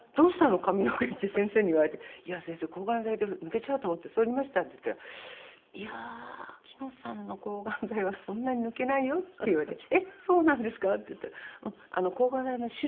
髪の毛」って先生に言われて「いや先生抗がん剤で抜けちゃうと思ってそりました」って言ったら「いや秋野さんの抗がん剤はそんなに抜けないよ」って言われて「えっ！そうなんですか？」って言ったら「うん。抗がん剤の種類によるから抜けないんだけど」。